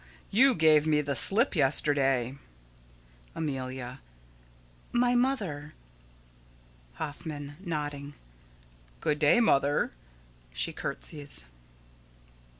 You gave me the slip yesterday! Amelia: My mother. Hoffman: [Nodding.] Good day, Mother. [_She curtsies.